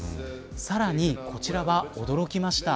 さらに、こちらは驚きました。